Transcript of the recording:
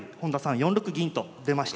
４六銀と出ました。